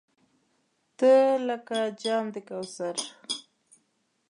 تۀ لکه جام د کوثر !